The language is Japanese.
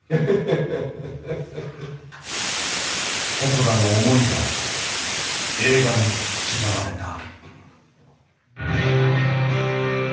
細田の思いが映画に刻まれた。